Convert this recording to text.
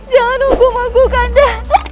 jangan hukum aku kanda